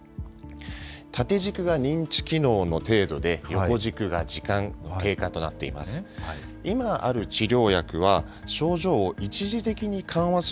縦軸が認知機能の程度で、横軸が時間の経過となっています。